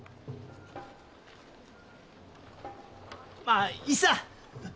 まあいいさ。